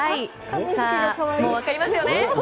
もう分かりますよね。